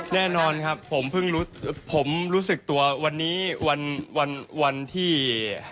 แน่นอนครับผมรู้สึกตัววันนี้วันที่๒